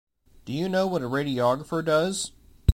Do you know what a radiographer does?